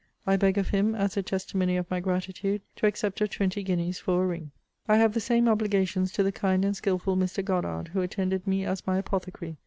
I beg of him, as a testimony of my gratitude, to accept of twenty guineas for a ring. I have the same obligations to the kind and skilful Mr. Goddard, who attended me as my apothecary.